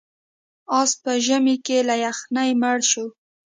اس په ژمي کې له یخنۍ مړ شو.